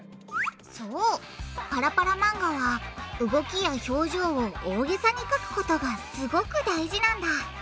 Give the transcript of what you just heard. そうパラパラ漫画は動きや表情を大げさにかくことがすごく大事なんだ。